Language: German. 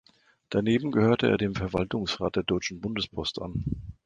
Daneben gehörte er dem Verwaltungsrat der Deutschen Bundespost an.